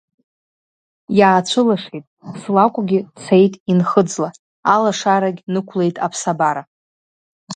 Иаацәылашеит, слакәгьы цеит инхыӡла, алашарагь нықәлеит аԥсабара.